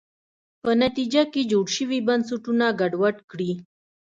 په نتیجه کې جوړ شوي بنسټونه ګډوډ کړي.